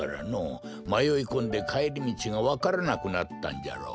まよいこんでかえりみちがわからなくなったんじゃろ。